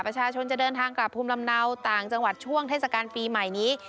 ประชาชนจะเดินทางกลับภูมิลำเนาต่างจังหวัดช่วงเทศกาลปีใหม่นี้